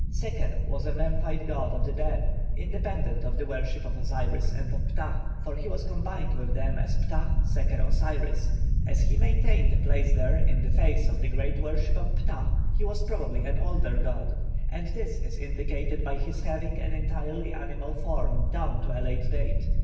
+Seker+ was a Memphite god of the dead, independent of the worship of Osiris and of Ptah, for he was combined with them as Ptah Seker Osiris; as he maintained a place there in the face of the great worship of Ptah, he was probably an older god, and this is indicated by his having an entirely animal form down to a late date.